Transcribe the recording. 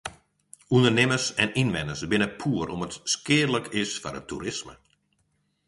Undernimmers en ynwenners binne poer om't it skealik is foar it toerisme.